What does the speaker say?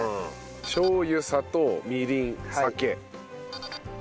しょう油砂糖みりん酒。